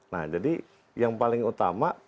nah jadi yang paling utama